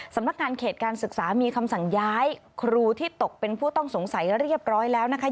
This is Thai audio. สำนักงานเขตการศึกษามีคำสั่งย้ายครูที่ตกเป็นผู้ต้องสงสัยเรียบร้อยแล้วนะคะ